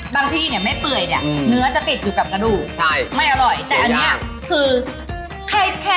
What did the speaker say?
บางทีเนี่ยไม่เปื่อยเนื้อจะติดอยู่กับกระดูก